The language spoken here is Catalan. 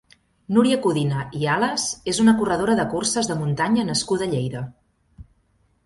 Núria Codina i Ales és una corredora de curses de muntanya nascuda a Lleida.